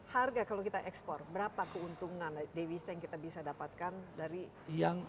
harga kalau kita ekspor berapa keuntungan dewi dewi yang kita bisa dapatkan